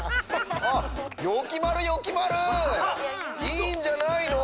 いいんじゃないの？